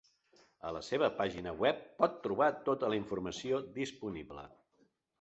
A la seva pàgina web pot trobar tota la informació disponible.